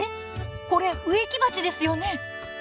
これ植木鉢ですよね？